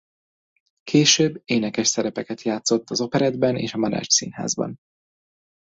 Később énekes szerepeket játszott az Operettben és a Madách Színházban.